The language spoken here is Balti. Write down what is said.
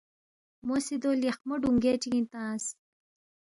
مو سی دو لیخمو ڈونگے چگِنگ تنگس